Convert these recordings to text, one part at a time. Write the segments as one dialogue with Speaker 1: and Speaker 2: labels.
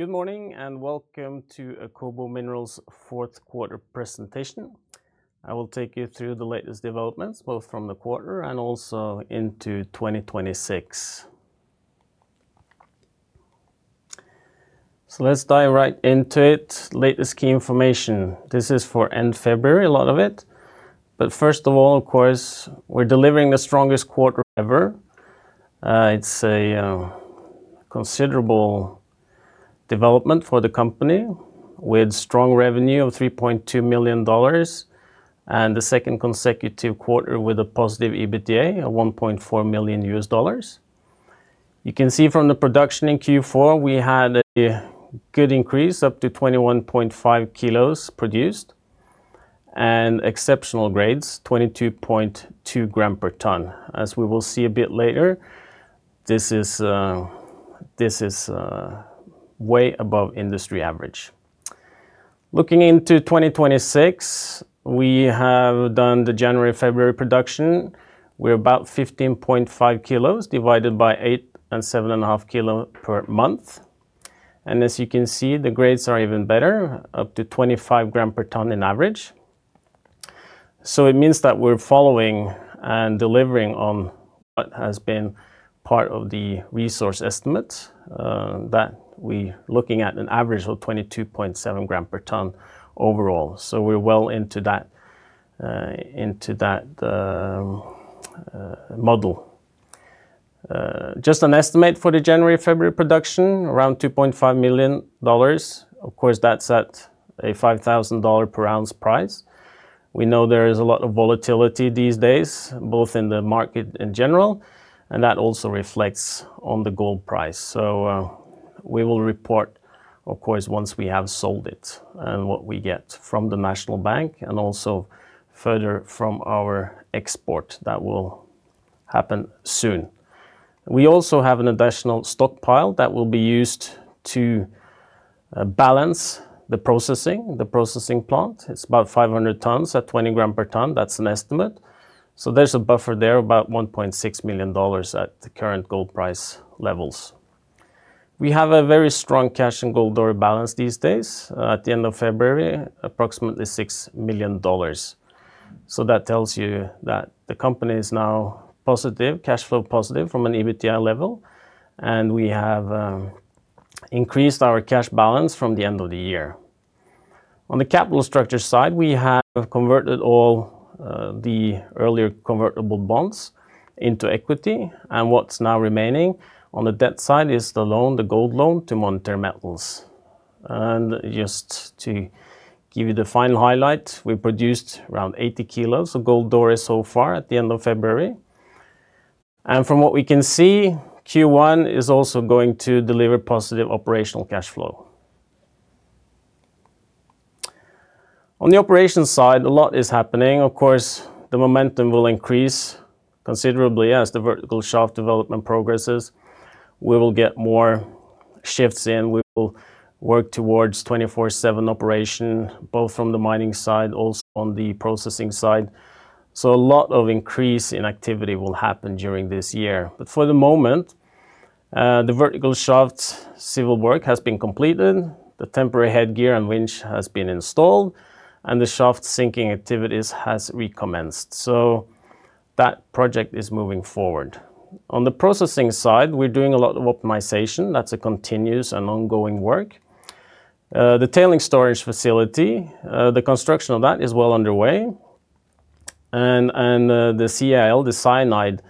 Speaker 1: Good morning, and welcome to Akobo Minerals fourth quarter presentation. I will take you through the latest developments, both from the quarter and also into 2026. Let's dive right into it. Latest key information. This is for end February, a lot of it. First of all, of course, we're delivering the strongest quarter ever. It's a considerable development for the company with strong revenue of $3.2 million and the second consecutive quarter with a positive EBITDA of $1.4 million. You can see from the production in Q4, we had a good increase up to 21.5 kilos produced and exceptional grades, 22.2 grams per ton. As we will see a bit later, this is way above industry average. Looking into 2026, we have done the January, February production. We're about 15.5 kilos, divided by 8 and 7.5 kilos per month. As you can see, the grades are even better, up to 25 grams per ton on average. It means that we're following and delivering on what has been part of the resource estimates, that we're looking at an average of 22.7 grams per ton overall. We're well into that model. Just an estimate for the January, February production, around $2.5 million. Of course, that's at a $5,000 per ounce price. We know there is a lot of volatility these days, both in the market in general, and that also reflects on the gold price. We will report, of course, once we have sold it and what we get from the National Bank and also further from our export that will happen soon. We also have an additional stockpile that will be used to balance the processing, the processing plant. It's about 500 tons at 20 grams per ton. That's an estimate. There's a buffer there, about $1.6 million at the current gold price levels. We have a very strong cash and gold ore balance these days. At the end of February, approximately $6 million. That tells you that the company is now positive, cash flow positive from an EBITDA level, and we have increased our cash balance from the end of the year. On the capital structure side, we have converted all the earlier convertible bonds into equity, and what's now remaining on the debt side is the loan, the gold loan to Monetary Metals. Just to give you the final highlight, we produced around 80 kilos of gold ore so far at the end of February. From what we can see, Q1 is also going to deliver positive operational cash flow. On the operations side, a lot is happening. Of course, the momentum will increase considerably as the vertical shaft development progresses. We will get more shifts in. We will work towards 24/7 operation, both from the mining side, also on the processing side. A lot of increase in activity will happen during this year. For the moment, the vertical shaft civil work has been completed, the temporary headgear and winch has been installed, and the shaft sinking activities has recommenced. That project is moving forward. On the processing side, we're doing a lot of optimization. That's a continuous and ongoing work. The tailings storage facility, the construction of that is well underway. The CIL, the cyanide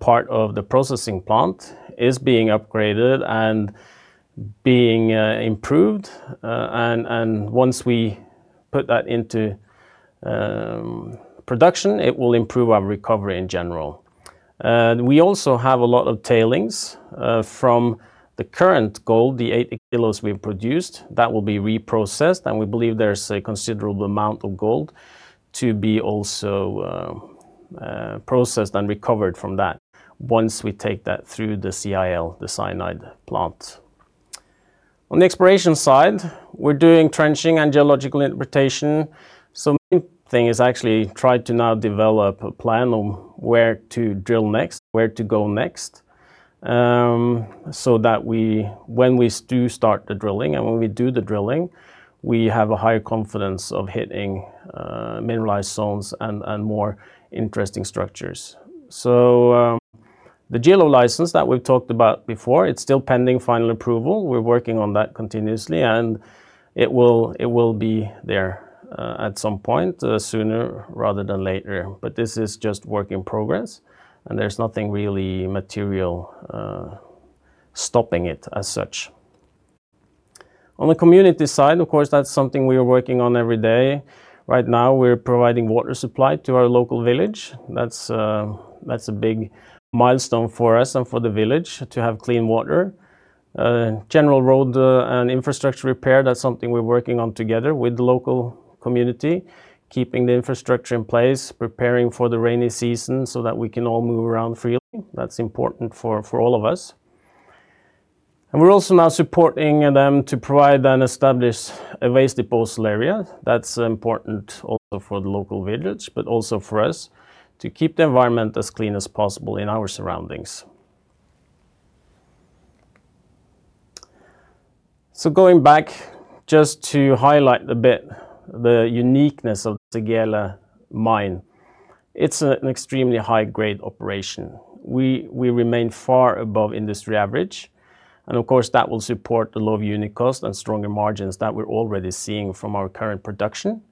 Speaker 1: part of the processing plant is being upgraded and being improved. And once we put that into production, it will improve our recovery in general. We also have a lot of tailings from the current gold, the 80 kilos we've produced, that will be reprocessed, and we believe there's a considerable amount of gold to be also processed and recovered from that once we take that through the CIL, the cyanide plant. On the exploration side, we're doing trenching and geological interpretation. Main thing is actually try to now develop a plan on where to drill next, where to go next, so that when we do start the drilling and when we do the drilling, we have a higher confidence of hitting mineralized zones and more interesting structures. The geo license that we've talked about before, it's still pending final approval. We're working on that continuously, and it will be there at some point, sooner rather than later. This is just work in progress, and there's nothing really material stopping it as such. On the community side, of course, that's something we are working on every day. Right now, we're providing water supply to our local village. That's a big milestone for us and for the village to have clean water. General road and infrastructure repair, that's something we're working on together with the local community, keeping the infrastructure in place, preparing for the rainy season so that we can all move around freely. That's important for all of us. We're also now supporting them to provide and establish a waste disposal area. That's important also for the local village, but also for us to keep the environment as clean as possible in our surroundings. Going back just to highlight a bit the uniqueness of the [Segele mine]. It's an extremely high-grade operation. We remain far above industry average, and of course, that will support the low unit cost and stronger margins that we're already seeing from our current production.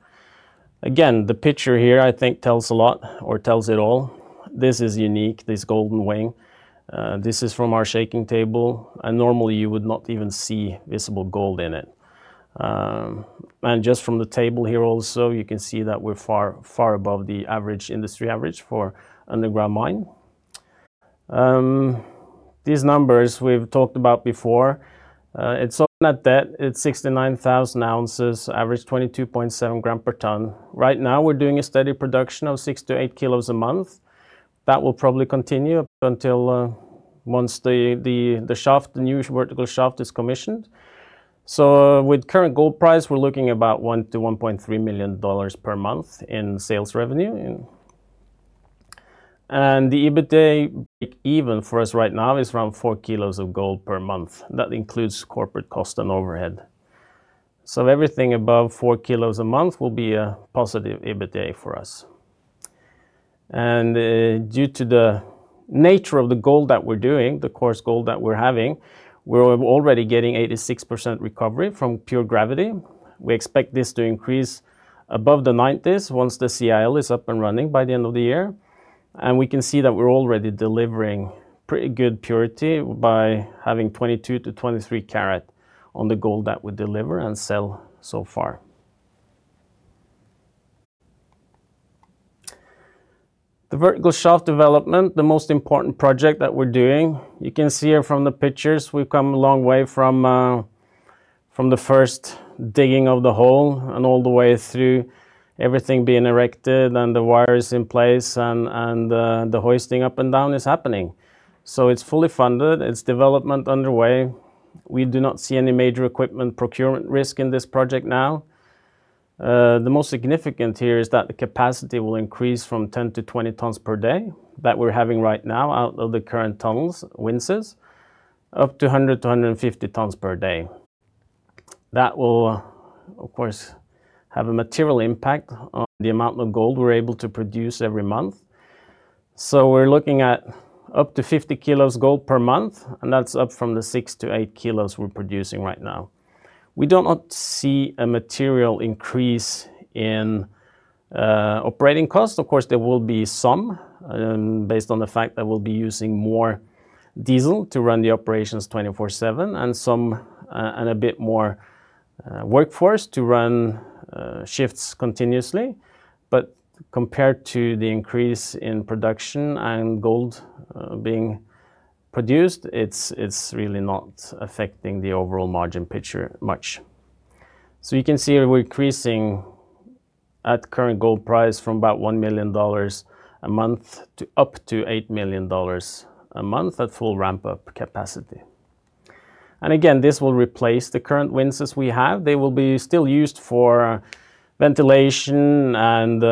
Speaker 1: Again, the picture here I think tells a lot or tells it all. This is unique, this golden wing. This is from our shaking table, and normally you would not even see visible gold in it. Just from the table here also you can see that we're far, far above the average industry average for underground mine. These numbers we've talked about before, it's open at that. It's 69,000 ounces, average 22.7 grams per ton. Right now we're doing a steady production of 6-8 kilos a month. That will probably continue up until once the shaft, the new vertical shaft is commissioned. With current gold price we're looking about $1 million-$1.3 million per month in sales revenue and. The EBITDA break-even for us right now is around 4 kilos of gold per month. That includes corporate cost and overhead. Everything above 4 kilos a month will be a positive EBITDA for us. Due to the nature of the gold that we're doing, the coarse gold that we're having, we're already getting 86% recovery from pure gravity. We expect this to increase above 90% once the CIL is up and running by the end of the year, and we can see that we're already delivering pretty good purity by having 22-23 karat on the gold that we deliver and sell so far. The vertical shaft development, the most important project that we're doing, you can see here from the pictures we've come a long way from the first digging of the hole and all the way through everything being erected and the wires in place and the hoisting up and down is happening. It's fully funded. It's development underway. We do not see any major equipment procurement risk in this project now. The most significant here is that the capacity will increase from 10-20 tons per day that we're having right now out of the current tunnels, winches, up to 100-150 tons per day. That will of course have a material impact on the amount of gold we're able to produce every month. We're looking at up to 50 kilos gold per month, and that's up from the 6-8 kilos we're producing right now. We do not see a material increase in operating costs. Of course there will be some, based on the fact that we'll be using more diesel to run the operations 24/7 and some and a bit more workforce to run shifts continuously. Compared to the increase in production and gold being produced it's really not affecting the overall margin picture much. You can see we're increasing at current gold price from about $1 million a month to up to $8 million a month at full ramp-up capacity. This will replace the current winches we have. They will be still used for ventilation and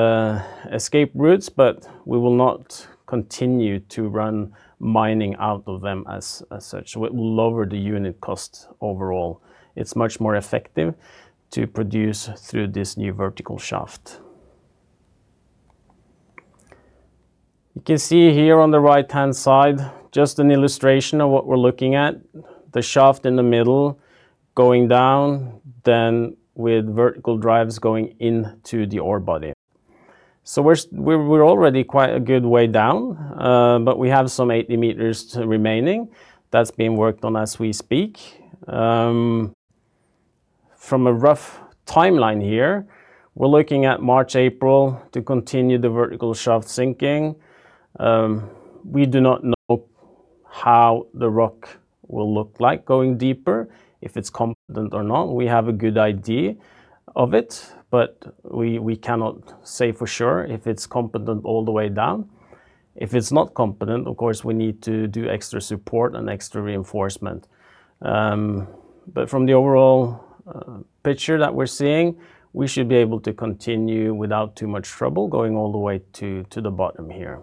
Speaker 1: escape routes, but we will not continue to run mining out of them as such. It will lower the unit cost overall. It's much more effective to produce through this new vertical shaft. You can see here on the right-hand side just an illustration of what we're looking at. The shaft in the middle going down then with vertical drives going into the ore body. We're already quite a good way down, but we have some 80 meters remaining that's being worked on as we speak. From a rough timeline here, we're looking at March, April to continue the vertical shaft sinking. We do not know how the rock will look like going deeper, if it's competent or not. We have a good idea of it, but we cannot say for sure if it's competent all the way down. If it's not competent, of course we need to do extra support and extra reinforcement. But from the overall picture that we're seeing, we should be able to continue without too much trouble going all the way to the bottom here.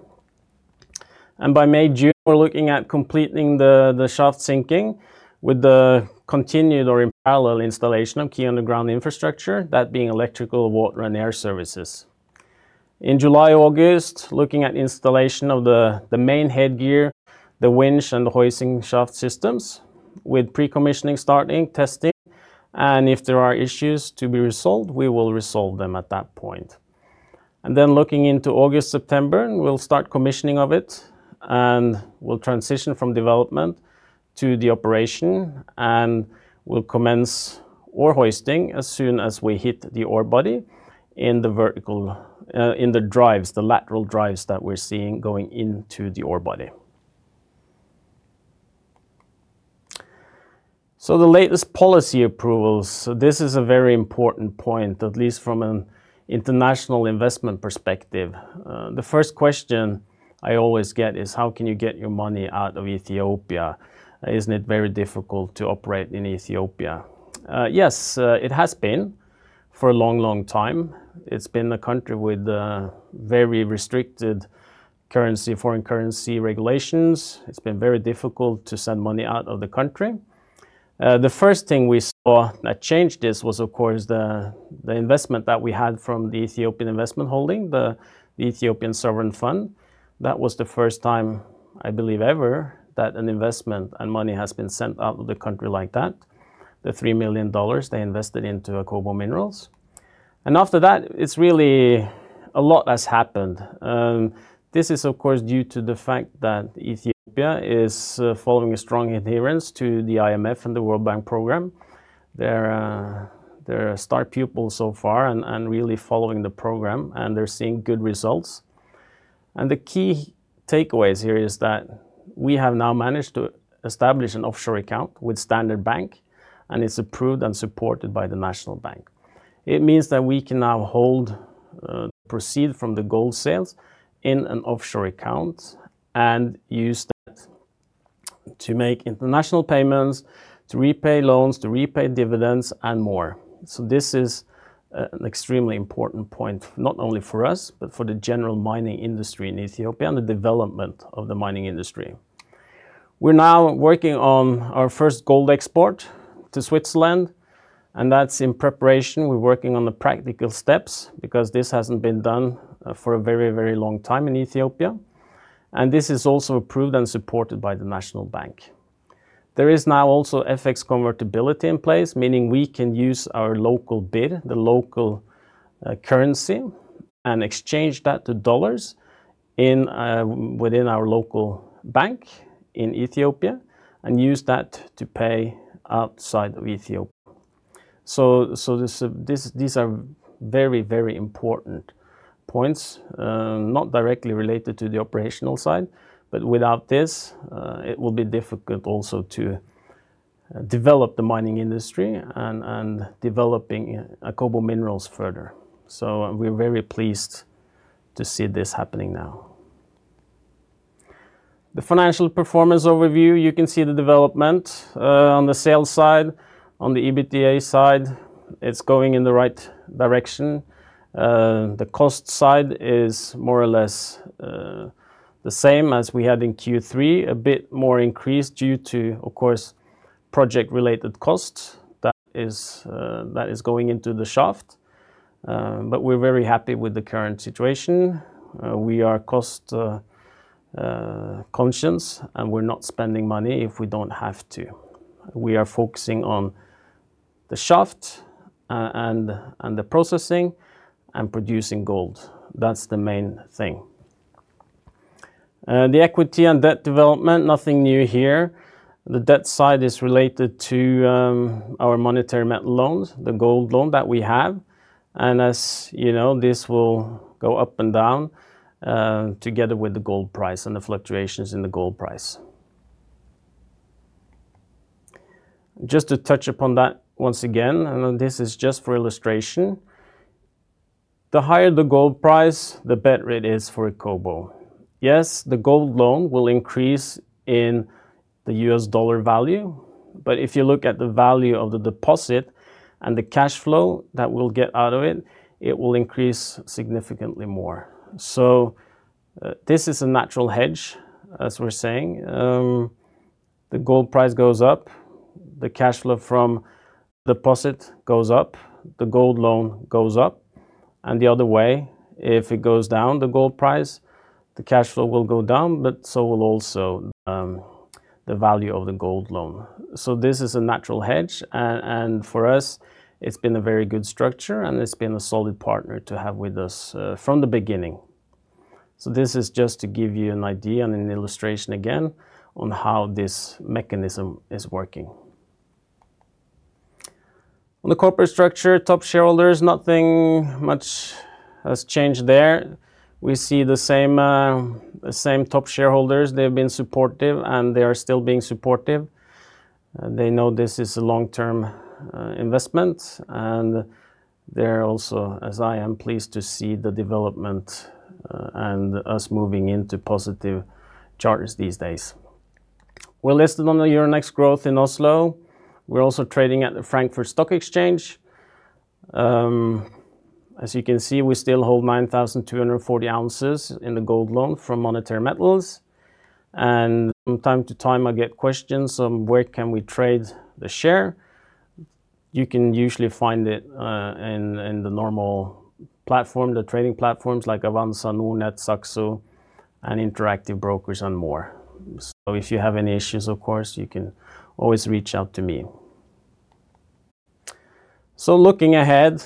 Speaker 1: By May, June we're looking at completing the shaft sinking with the continued or in parallel installation of key underground infrastructure, that being electrical, water, and air services. In July, August, looking at installation of the main headgear, the winch and the hoisting shaft systems with pre-commissioning starting testing, and if there are issues to be resolved, we will resolve them at that point. Looking into August, September, we'll start commissioning of it and we'll transition from development to the operation, and we'll commence ore hoisting as soon as we hit the ore body in the vertical, in the drives, the lateral drives that we're seeing going into the ore body. The latest policy approvals, so this is a very important point, at least from an international investment perspective. The first question I always get is how can you get your money out of Ethiopia? Isn't it very difficult to operate in Ethiopia? Yes, it has been for a long, long time, it's been a country with very restricted currency, foreign currency regulations. It's been very difficult to send money out of the country. The first thing we saw that changed this was of course the investment that we had from the Ethiopian Investment Holdings, the Ethiopian Sovereign Fund. That was the first time I believe ever that an investment and money has been sent out of the country like that. The $3 million they invested into Akobo Minerals. After that, it's really a lot has happened. This is of course due to the fact that Ethiopia is following a strong adherence to the IMF and the World Bank program. They're a star pupil so far and really following the program, and they're seeing good results. The key takeaways here is that we have now managed to establish an offshore account with Standard Bank, and it's approved and supported by the National Bank of Ethiopia. It means that we can now hold the proceeds from the gold sales in an offshore account and use that to make international payments, to repay loans, to repay dividends and more. This is an extremely important point, not only for us, but for the general mining industry in Ethiopia and the development of the mining industry. We're now working on our first gold export to Switzerland, and that's in preparation. We're working on the practical steps because this hasn't been done for a very, very long time in Ethiopia, and this is also approved and supported by the National Bank. There is now also FX convertibility in place, meaning we can use our local birr, the local currency, and exchange that to dollars within our local bank in Ethiopia and use that to pay outside of Ethiopia. These are very, very important points, not directly related to the operational side, but without this, it will be difficult also to develop the mining industry and developing Akobo Minerals further. We're very pleased to see this happening now. The financial performance overview, you can see the development on the sales side. On the EBITDA side, it's going in the right direction. The cost side is more or less the same as we had in Q3. A bit more increased due to, of course, project-related costs. That is going into the shaft. But we're very happy with the current situation. We are cost conscious, and we're not spending money if we don't have to. We are focusing on the shaft and the processing and producing gold. That's the main thing. The equity and debt development, nothing new here. The debt side is related to, our Monetary Metals loans, the gold loan that we have. As you know, this will go up and down, together with the gold price and the fluctuations in the gold price. Just to touch upon that once again, and this is just for illustration, the higher the gold price, the better it is for Akobo. Yes, the gold loan will increase in the U.S. dollar value, but if you look at the value of the deposit and the cash flow that we'll get out of it will increase significantly more. This is a natural hedge, as we're saying. The gold price goes up, the cash flow from the deposit goes up, the gold loan goes up. The other way, if it goes down, the gold price, the cash flow will go down, but so will also, the value of the gold loan. This is a natural hedge, and for us, it's been a very good structure, and it's been a solid partner to have with us, from the beginning. This is just to give you an idea and an illustration again on how this mechanism is working. On the corporate structure, top shareholders, nothing much has changed there. We see the same top shareholders. They've been supportive, and they are still being supportive. They know this is a long-term investment, and they're also, as I am, pleased to see the development, and us moving into positive charts these days. We're listed on the Euronext Growth Oslo. We're also trading at the Frankfurt Stock Exchange. As you can see, we still hold 9,240 ounces in the gold loan from Monetary Metals. From time to time, I get questions on where can we trade the share. You can usually find it in the normal platform, the trading platforms like Avanza, Nordnet, Saxo, and Interactive Brokers and more. If you have any issues, of course, you can always reach out to me. Looking ahead,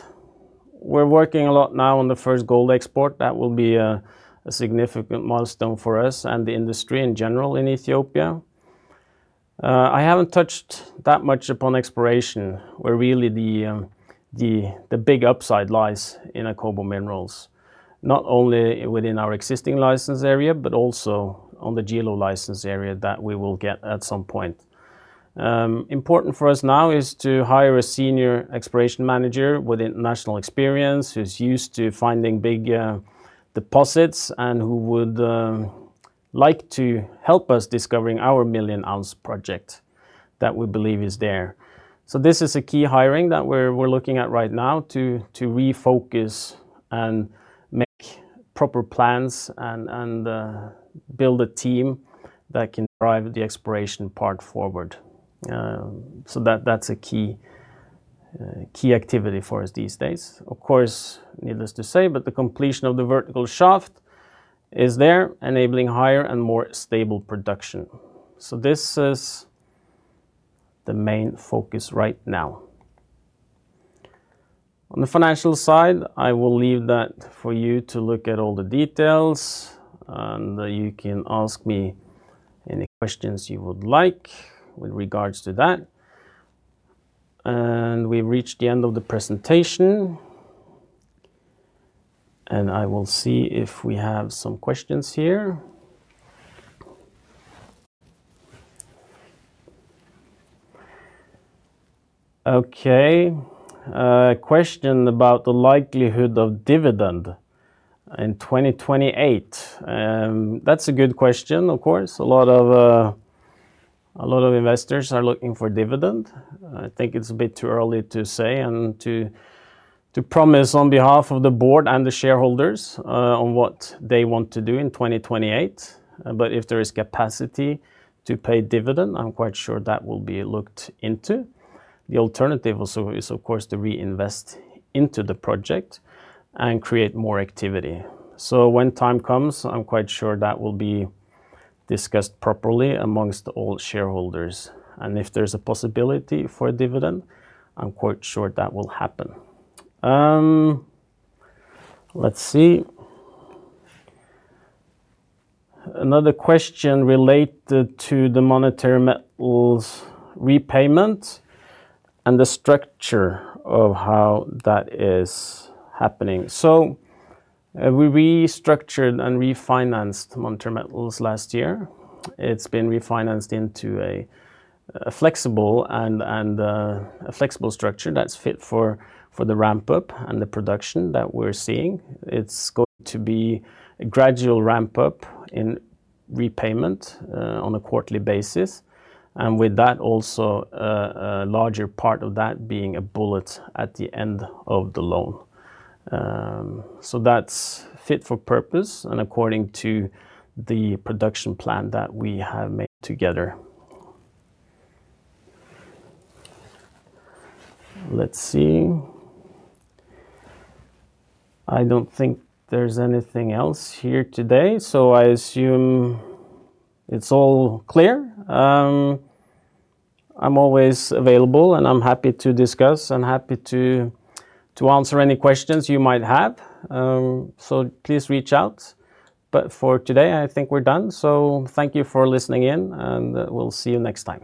Speaker 1: we're working a lot now on the first gold export. That will be a significant milestone for us and the industry in general in Ethiopia. I haven't touched that much upon exploration, where really the big upside lies in Akobo Minerals, not only within our existing license area but also on the [Segele] license area that we will get at some point. Important for us now is to hire a senior exploration manager with international experience who's used to finding big deposits and who would like to help us discovering our million ounce project that we believe is there. This is a key hiring that we're looking at right now to refocus and make proper plans and build a team that can drive the exploration part forward. That's a key activity for us these days. Of course, needless to say, but the completion of the vertical shaft is there enabling higher and more stable production. This is the main focus right now. On the financial side, I will leave that for you to look at all the details, and you can ask me any questions you would like with regards to that. We reached the end of the presentation. I will see if we have some questions here. Okay. Question about the likelihood of dividend in 2028. That's a good question, of course. A lot of investors are looking for dividend. I think it's a bit too early to say and to promise on behalf of the board and the shareholders, on what they want to do in 2028. If there is capacity to pay dividend, I'm quite sure that will be looked into. The alternative also is, of course, to reinvest into the project and create more activity. When time comes, I'm quite sure that will be discussed properly amongst all shareholders. If there's a possibility for a dividend, I'm quite sure that will happen. Let's see. Another question related to the Monetary Metals repayment and the structure of how that is happening. We restructured and refinanced the Monetary Metals last year. It's been refinanced into a flexible structure that's fit for the ramp up and the production that we're seeing. It's going to be a gradual ramp up in repayment on a quarterly basis. With that, also a larger part of that being a bullet at the end of the loan. That's fit for purpose and according to the production plan that we have made together. Let's see. I don't think there's anything else here today. I assume it's all clear. I'm always available, and I'm happy to discuss and happy to answer any questions you might have. Please reach out. For today, I think we're done. Thank you for listening in, and we'll see you next time.